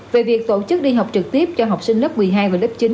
về việc tổ chức đi học trực tiếp cho học sinh lớp một mươi hai và lớp chín